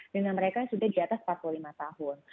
dengan mereka yang sudah di atas empat puluh lima tahun